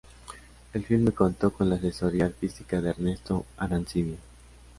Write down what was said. El filme contó con la asesoría artística de Ernesto Arancibia.